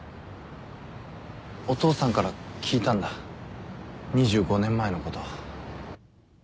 お父さんから聞いたんだ２５年前のこと。